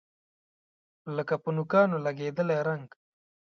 لکه په نوکانو لګیدلی رنګ